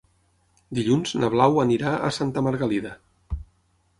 Dilluns na Blau anirà a Santa Margalida.